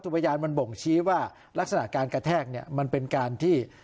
พยานมันบ่งชี้ว่ารักษณะการกระแทกเนี่ยมันเป็นการที่